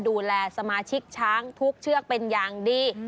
ดูแลสมาชิกช้างทุกเชือกเป็นอย่างดี